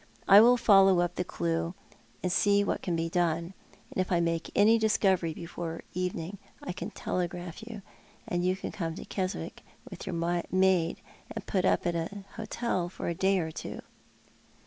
I will follow up the clue and see what can be done, and if I make any discovery before the even ing I can telegraph to you, and you can come to Keswick with your maid, and put up at an hotel for a day or two."